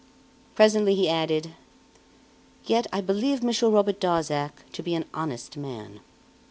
Presently he added: "Yet I believe Monsieur Robert Darzac to be an honest man."